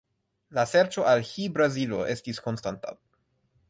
La serĉo al Hi-Brazilo estis konstanta.